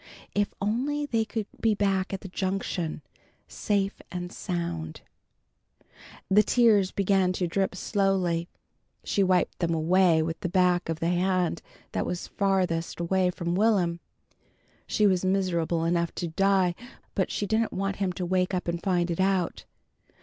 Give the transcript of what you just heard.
If only they could be back at the Junction, safe and sound The tears began to drip slowly. She wiped them away with the back of the hand that was farthest away from Will'm. She was miserable enough to die, but she didn't want him to wake up and find it out.